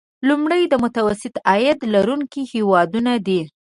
لومړی د متوسط عاید لرونکي هیوادونه دي.